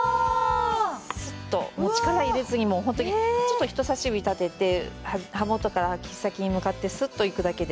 スッと力入れずにもうホントにちょっと人さし指立てて刃元から切っ先に向かってスッといくだけで。